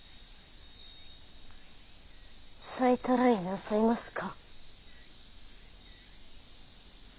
再トライなさいますか？